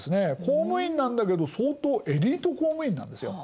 公務員なんだけど相当エリート公務員なんですよ。